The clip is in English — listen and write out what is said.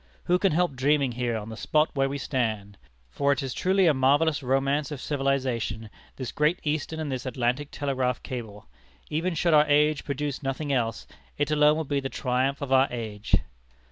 Who can help dreaming here, on the spot where we stand? For it is truly a marvellous romance of civilization, this Great Eastern and this Atlantic Telegraph cable. Even should our age produce nothing else, it alone would be the triumph of our age."